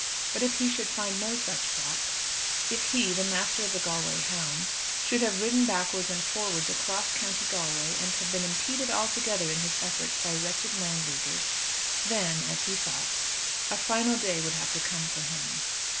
But if he should find no such fox if he, the master of the Galway hounds, should have ridden backwards and forwards across County Galway, and have been impeded altogether in his efforts by wretched Landleaguers, then as he thought a final day would have to come for him.